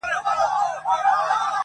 خو درواغجن دي بیا نه وي